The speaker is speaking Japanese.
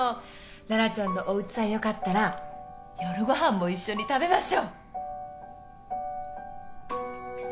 羅羅ちゃんのおうちさえよかったら夜ご飯も一緒に食べましょう。